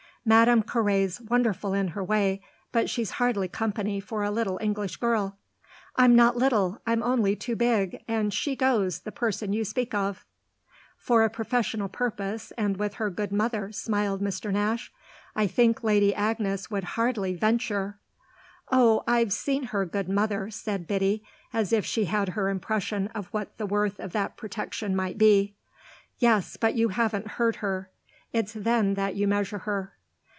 "Madame Carré's wonderful in her way, but she's hardly company for a little English girl." "I'm not little, I'm only too big; and she goes, the person you speak of." "For a professional purpose and with her good mother," smiled Mr. Nash. "I think Lady Agnes would hardly venture !" "Oh I've seen her good mother!" said Biddy as if she had her impression of what the worth of that protection might be. "Yes, but you haven't heard her. It's then that you measure her."